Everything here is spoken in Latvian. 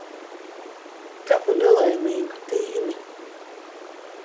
Tavu nelaimīgu tīni.